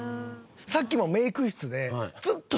さっきもメイク室で。